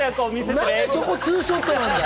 何でそこツーショットなんだよ！